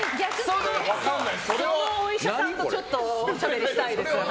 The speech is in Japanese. そのお医者さんとおしゃべりしたいですね。